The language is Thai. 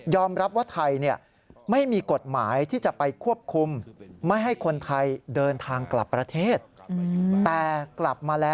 ยอมรับว่าไทยไม่มีกฎหมายที่จะไปควบคุม